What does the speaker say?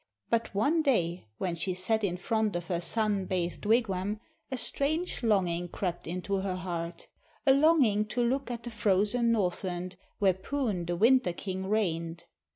But one day when she sat in front of her sun bathed wigwam a strange longing crept into her heart a longing to look at the frozen Northland where Poon the Winter King reigned.